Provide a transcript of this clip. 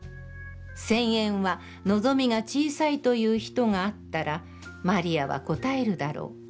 千円は望みが小さいと言う人があったら、魔利は答えるだろう。